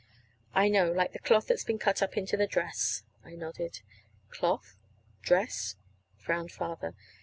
"I know; like the cloth that's been cut up into the dress," I nodded. "Cloth? Dress?" frowned Father.